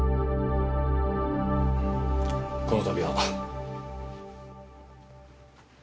この度は。